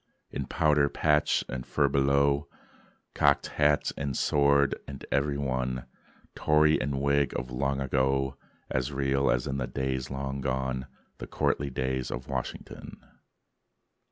In powder, patch, and furbelow, Cocked hat and sword; and every one, Tory and Whig of long ago, As real as in the days long done, The courtly days of Washington.